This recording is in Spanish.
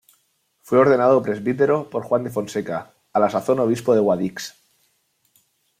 Fue ordenado presbítero por Juan de Fonseca, a la sazón obispo de Guadix.